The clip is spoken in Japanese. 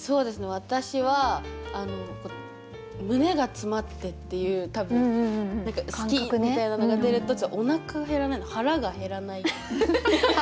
私は胸が詰まってっていう多分好き！みたいなのが出るとちょっとおなか減らないので「腹が減らない」。